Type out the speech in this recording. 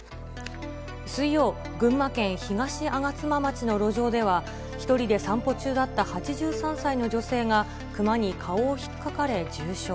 水曜、群馬県東吾妻町の路上では、１人で散歩中だった８３歳の女性がクマに顔をひっかかれ重傷。